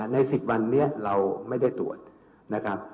ใน๑๐วันนี้เราไม่ได้ตรวจนะครับ